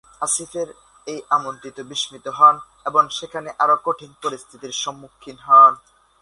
আসিফ এই আমন্ত্রণে বিস্মিত হন এবং সেখানে আরও কঠিন পরিস্থিতির সম্মুখীন হন।